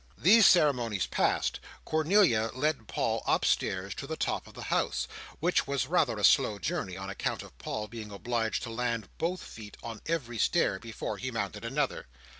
These ceremonies passed, Cornelia led Paul upstairs to the top of the house; which was rather a slow journey, on account of Paul being obliged to land both feet on every stair, before he mounted another.